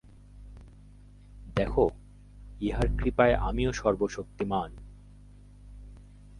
দেখ, ইঁহার কৃপায় আমিও সর্বশক্তিমান্।